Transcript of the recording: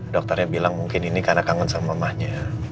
dokternya bilang mungkin ini karena kangen sama mahnya